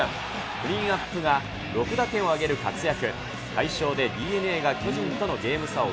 クリーンアップが６打点を挙げる活躍。